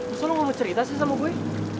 masa lo nggak mau cerita sih sama gue